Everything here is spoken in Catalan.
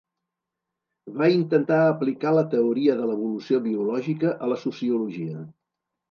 Va intentar aplicar la teoria de l'evolució biològica a la sociologia.